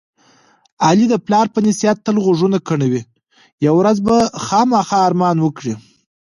علي د پلار په نصیحت تل غوږونه کڼوي. یوه ورځ به خوامخا ارمان وکړي.